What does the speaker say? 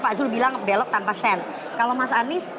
kalau mas anies saya dengar kami dengar sebetulnya anda